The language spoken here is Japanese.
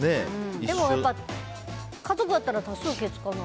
でも、家族だったら多数決かな。